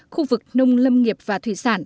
khu vực nông lâm nghiệp và thủy sản